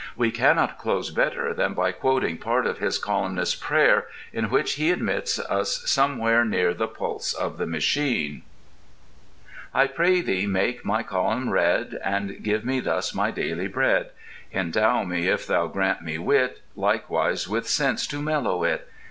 We cannot close better than by quoting part of his Colyumist's Prayer in which he admits us somewhere near the pulse of the machine: I pray Thee, make my colyum read, And give me thus my daily bread. Endow me, if Thou grant me wit, Likewise with sense to mellow it.